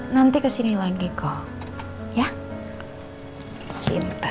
nanti kesini lagi kok